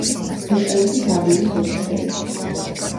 ბრიტანეთის არმიის ოფიცერი.